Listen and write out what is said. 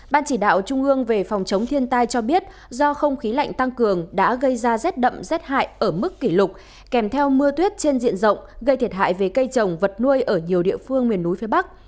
ban chỉ đạo trung ương về phòng chống thiên tai cho biết do không khí lạnh tăng cường đã gây ra rét đậm rét hại ở mức kỷ lục kèm theo mưa tuyết trên diện rộng gây thiệt hại về cây trồng vật nuôi ở nhiều địa phương miền núi phía bắc